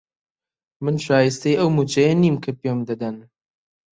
من شایستەی ئەو مووچەیە نیم کە پێم دەدەن.